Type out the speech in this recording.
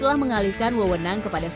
semua betul tapi kita ga semuanya peminat